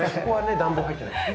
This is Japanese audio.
暖房入ってないんですね。